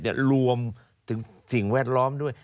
รวมถึงสิ่งแวดล้อมด้วย